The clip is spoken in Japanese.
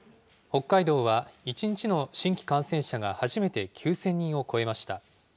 北海道は１日の新規感染者が初めて９０００人を超えました。